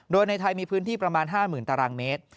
โดยในไทยมีพื้นที่ประมาณ๕๐๐๐ตารางเมตร